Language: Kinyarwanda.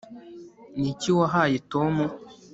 niki wahaye tom